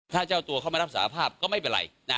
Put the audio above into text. ถ้าเจ้าตัวเข้ามารับสารภาพก็ไม่เป็นไร